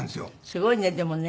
すごいねでもね。